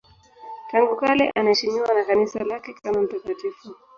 Tangu kale anaheshimiwa na Kanisa lake kama mtakatifu.